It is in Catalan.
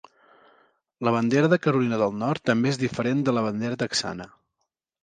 La bandera de Carolina del Nord també és diferent de la bandera texana.